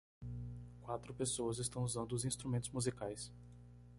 Quatro pessoas estão usando os instrumentos musicais.